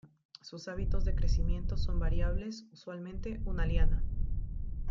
Sus hábitos de crecimiento son variables, usualmente una liana.